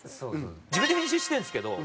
自分で編集してるんですけど。